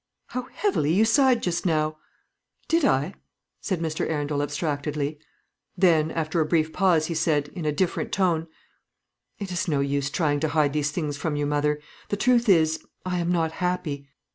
"How heavily you sighed just now!" "Did I?" said Mr. Arundel, abstractedly. Then, after a brief pause, he said, in a different tone, "It is no use trying to hide these things from you, mother. The truth is, I am not happy."